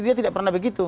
dia tidak pernah begitu